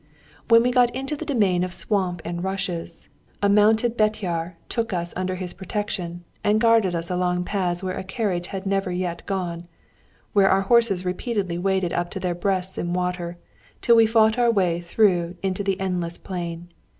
When we got into the domain of swamp and rushes, a mounted betyár took us under his protection, and guarded us along paths where a carriage had never yet gone, where our horses repeatedly waded up to their breasts in water, till we fought our way through into the endless plain.